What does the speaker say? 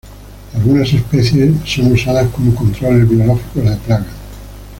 Algunas especies son usadas como controles biológicos de plagas.